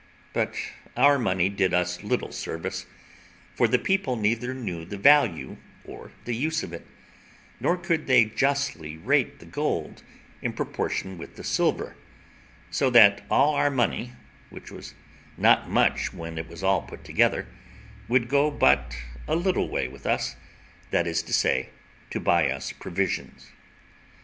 But our money did us little service, for the people neither knew the value or the use of it, nor could they justly rate the gold in proportion with the silver; so that all our money, which was not much when it was all put together, would go but a little way with us, that is to say, to buy us provisions.